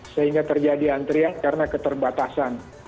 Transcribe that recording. sehingga terjadi antrian karena keterbatasan